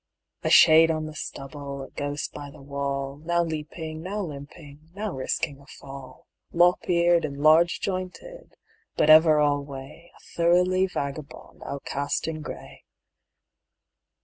A shade on the stubble, a ghost by the wall, Now leaping, now limping, now risking a fall, Lop eared and large jointed, but ever alway A thoroughly vagabond outcast in gray.